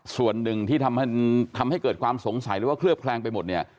ส่วนหนึ่งที่ทำให้เกิดความสงสัยหรือว่าเคลือบแคลงไปหมดเนี่ย